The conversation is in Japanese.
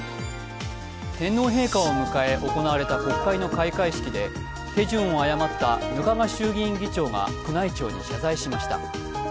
天皇陛下を迎え行われた国会の開会式で手順を誤った額賀衆議院議長が宮内庁に謝罪をしました。